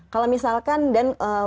kalau misalkan dan